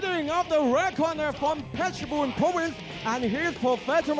วันเด็กวอลวีลพลัน